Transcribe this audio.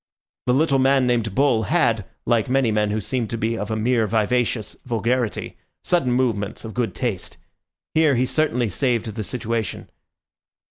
The little man named Bull, had, like many men who seem to be of a mere vivacious vulgarity, sudden movements of good taste. Here he certainly saved the situation.